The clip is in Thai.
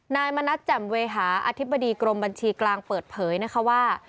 นายมณัฐแจ่มเวหาอธิบดีกรมบัญชีกลางเปิดเผยนะคะว่า